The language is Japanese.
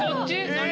何？